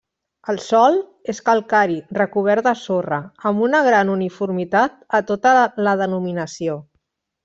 El sòl és calcari recobert de sorra, amb una gran uniformitat a tota la denominació.